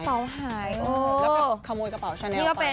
แล้วก็ขโมยกระเป๋าชาแนลไป